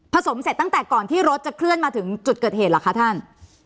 สมเสร็จตั้งแต่ก่อนที่รถจะเคลื่อนมาถึงจุดเกิดเหตุเหรอคะท่าน